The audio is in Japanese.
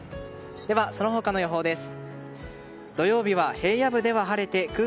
では、その他の予報です。